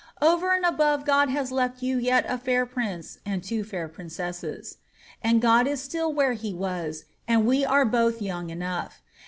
Over and above God has left you yet a &ir prince and two fair princesses *,' and God is still where he was, and we are both young enough.